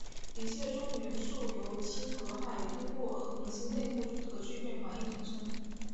一切重元素由氢与氦通过恒星内部核聚变反应产生。